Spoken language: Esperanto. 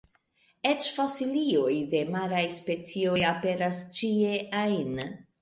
Eĉ fosilioj de maraj specioj aperas ĉie ajn.